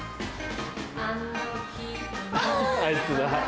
あいつだ。